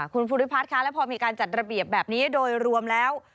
คุณภูริพัฒน์คะแล้วพอมีการจัดระเบียบแบบนี้โดยรวมแล้ว